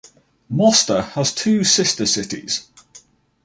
Mosta has two "sister cities"